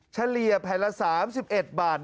เฉลี่ยแผ่นละ๓๑บาท